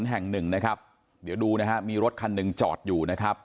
แห่งหนึ่งนะครับเดี๋ยวดูนะฮะมีรถคันหนึ่งจอดอยู่นะครับ